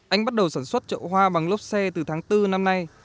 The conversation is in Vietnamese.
anh bắt đầu sản xuất chậu hoa bằng lốp xe từ tháng bốn năm nay